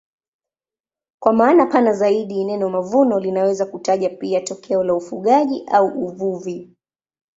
Kwa maana pana zaidi neno mavuno linaweza kutaja pia tokeo la ufugaji au uvuvi.